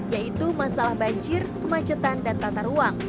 yaitu masalah banjir kemacetan dan tata ruang